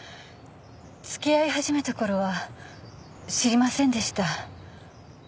付き合い始めたころは知りませんでした。